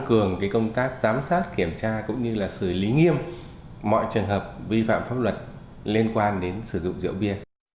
tăng cường công tác giám sát kiểm tra cũng như là xử lý nghiêm mọi trường hợp vi phạm pháp luật liên quan đến sử dụng rượu bia